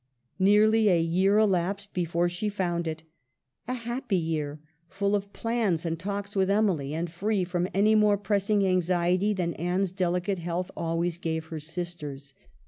Nearly a year elapsed before she found it — a happy year, full of plans and talks with Emily, and free from any more press ing anxiety than Anne's delicate health always gave her sisters.